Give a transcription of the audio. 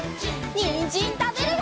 にんじんたべるよ！